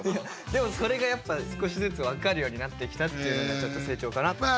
でもそれがやっぱ少しずつ分かるようになってきたっていうのがちょっと成長かなと。